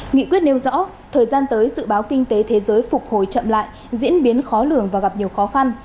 nghị quyết nêu rõ thời gian tới dự báo kinh tế thế giới phục hồi chậm lại diễn biến khó lường và gặp nhiều khó khăn